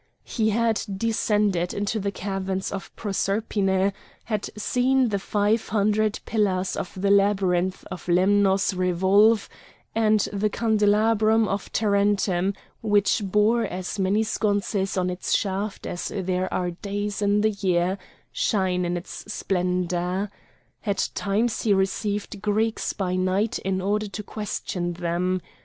He had descended into the caverns of Proserpine; he had seen the five hundred pillars of the labyrinth of Lemnos revolve, and the candelabrum of Tarentum, which bore as many sconces on its shaft as there are days in the year, shine in its splendour; at times he received Greeks by night in order to question them.